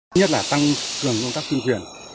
thứ nhất là tăng cường công tác tuần truyền